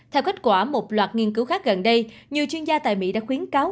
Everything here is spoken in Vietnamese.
theo kết quả một loạt nghiên cứu khác gần đây nhiều chuyên gia tại mỹ đã khuyến cáo